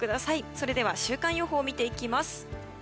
それでは週間予報を見ていきます。